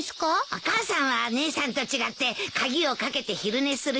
お母さんは姉さんと違って鍵を掛けて昼寝する人じゃないよ。